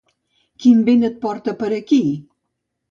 Quin vent et porta per aquí?